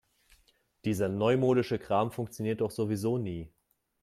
Dieser neumodische Kram funktioniert doch sowieso nie.